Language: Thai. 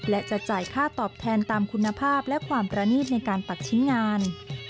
และจะจ่ายค่าตอบแทนตามคุณภาพและความประนีตในการปักชิ้นงาน